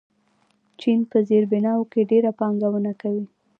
چین په زیربناوو کې ډېره پانګونه کوي.